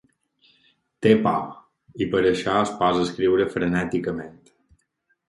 Té por, i per això es posa a escriure frenèticament.